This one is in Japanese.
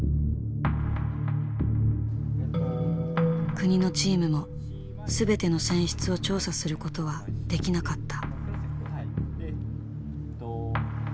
国のチームも全ての船室を調査することはできなかった。